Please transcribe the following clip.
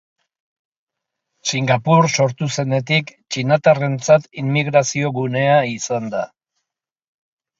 Singapur sortu zenetik, txinatarrentzat immigrazio-gunea izan da.